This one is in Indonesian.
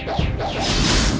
tetap di hadrian